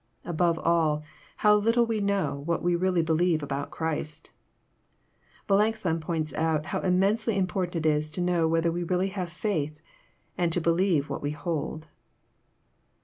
Above all, how little we know what we really believe about Christ ! Melancthon points out how immensely important it is to know whether we really have faith, and believe what we hold.